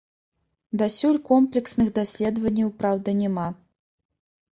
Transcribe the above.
Дасюль комплексных даследаванняў, праўда, няма.